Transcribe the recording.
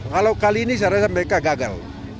kalau kali ini saya rasa mereka gagal